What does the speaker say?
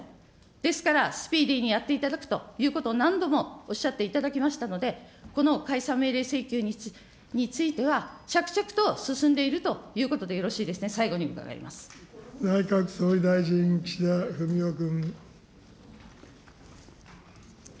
ですから、スピーディーにやっていただくと、何度もおっしゃっていただきましたので、この解散命令請求については、着々と進んでいるということでよろしいですね、最後に伺い内閣総理大臣、岸田文雄君。